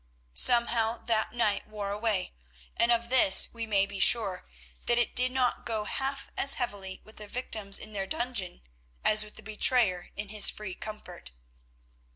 Somehow that night wore away, and of this we may be sure, that it did not go half as heavily with the victims in their dungeon as with the betrayer in his free comfort.